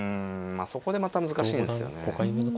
まあそこでまた難しいんですよね。